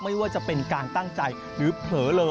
ไม่ว่าจะเป็นการตั้งใจหรือเผลอเลย